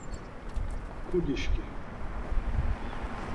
Kudi-şǩimi!